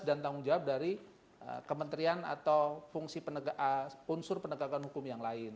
dan tanggung jawab dari kementerian atau fungsi unsur penegakan hukum yang lain